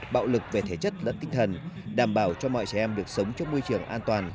bạo lực về thể chất lẫn tinh thần đảm bảo cho mọi trẻ em được sống trong môi trường an toàn